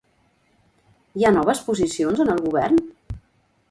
Hi ha noves posicions en el govern?